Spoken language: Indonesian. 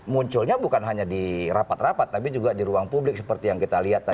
munculnya bukan hanya di rapat rapat tapi juga di ruang publik seperti yang kita lihat tadi